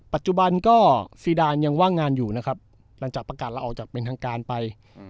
ปัจจุบันก็ซีดานยังว่างงานอยู่นะครับหลังจากประกาศละออกจากเป็นทางการไป